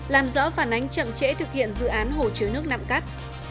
làm rõ phản ánh chậm trễ thực hiện dự án hồ chứa nước nặm cắt